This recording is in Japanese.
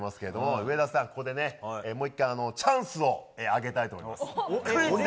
上田さん、ここで、もう一回チャンスをあげたいと思います。